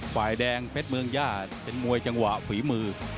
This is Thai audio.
ฝ่ายแดงเพชรเมืองย่าเป็นมวยจังหวะฝีมือ